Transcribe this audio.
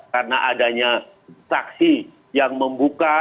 karena adanya saksi yang membuka